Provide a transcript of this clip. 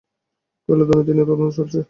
কয়লা দুর্নীতি নিয়ে তদন্ত চলছে।